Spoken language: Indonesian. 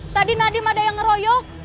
tadi nadiem ada yang ngeroyok